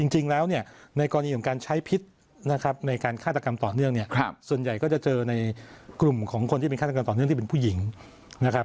จริงแล้วเนี่ยในกรณีของการใช้พิษนะครับในการฆาตกรรมต่อเนื่องเนี่ยส่วนใหญ่ก็จะเจอในกลุ่มของคนที่เป็นฆาตกรรมต่อเนื่องที่เป็นผู้หญิงนะครับ